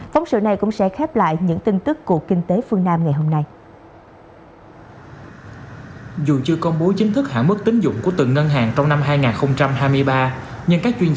phóng sự này cũng sẽ khép lại những tin tức của kinh tế phương nam ngày hôm nay